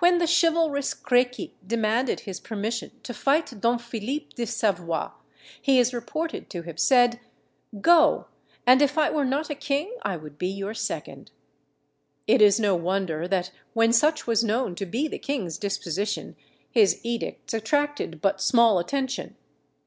When the chivalrous Créqui demanded his permission to fight Don Philippe de Savoire, he is reported to have said, "Go, and if I were not a king, I would be your second." It is no wonder that when such was known to be the king's disposition, his edicts attracted but small attention.